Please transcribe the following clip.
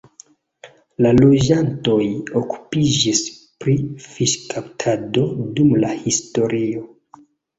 La loĝantoj okupiĝis pri fiŝkaptado dum la historio.